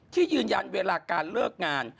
ยืนยันเวลาการเลิกงาน